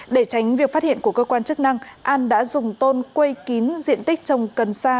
để tránh việc phát hiện của cơ quan chức năng an đã dùng tôn quây kín diện tích trồng cần sa